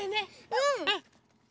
うん！